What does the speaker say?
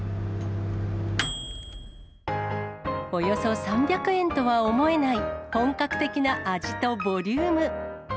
およそ３００円とは思えない、本格的な味とボリューム。